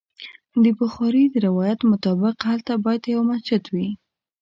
د بخاري د روایت مطابق هلته باید یو مسجد وي.